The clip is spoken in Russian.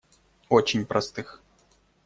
Очень простых.